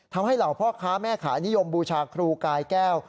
เหล่าพ่อค้าแม่ขายนิยมบูชาครูกายแก้ว